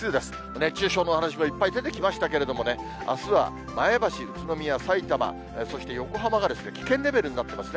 熱中症のお話もいっぱい出てきましたけれどもね、あすは前橋、宇都宮、さいたま、そして横浜が危険レベルになっていますね。